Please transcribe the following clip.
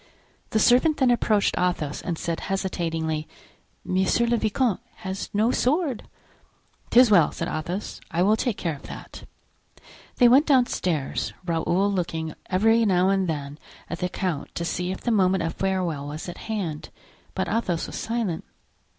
The servant then approached Athos and said, hesitatingly: "Monsieur le vicomte has no sword." "'Tis well," said Athos, "I will take care of that." They went downstairs, Raoul looking every now and then at the count to see if the moment of farewell was at hand, but Athos was silent.